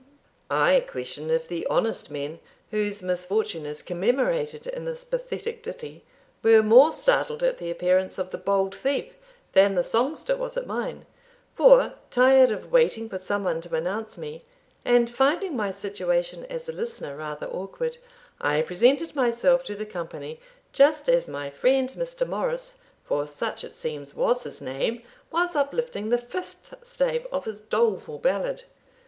I question if the honest men, whose misfortune is commemorated in this pathetic ditty, were more startled at the appearance of the bold thief than the songster was at mine; for, tired of waiting for some one to announce me, and finding my situation as a listener rather awkward, I presented myself to the company just as my friend Mr. Morris, for such, it seems, was his name, was uplifting the fifth stave of his doleful ballad.